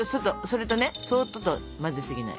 それとねそっとと混ぜすぎない。